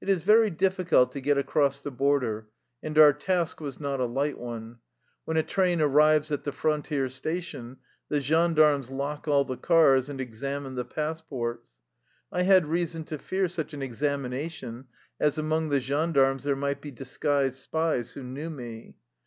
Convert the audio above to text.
It is very difficult to get across the border, and our task was not a light one. When a train arrives at the frontier station the gen darmes lock all the cars and examine the pass ports. I had reason to fear such an examina tion, as among the gendarmes there might be disguised spies who knew me.